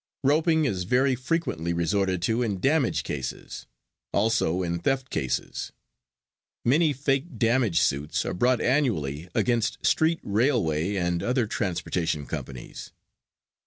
Roping is very frequently resorted to in damage cases, also in theft cases. Many fake damage suits are brought annually against street railway and other transportation companies.